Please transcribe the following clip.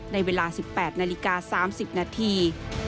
ในเวลา๑๘นาฬิกา๓๐นาที